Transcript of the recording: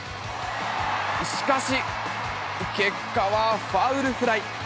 しかし、結果はファウルフライ。